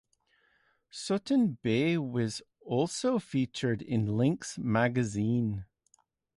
Sutton Bay was also featured in Links Magazine.